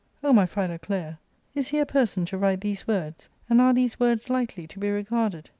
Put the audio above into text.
" O my Philoclea, is he a person to write these words ? and are these words lightly to be regarded